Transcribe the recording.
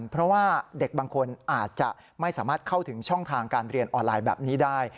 เพราะว่าเด็กบางคนอาจจะไม่สามารถเข้าถึงช่องทางการเรียนออนไลน์แบบนี้ได้